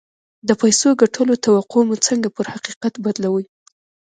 د پيسو ګټلو توقع مو څنګه پر حقيقت بدلوي؟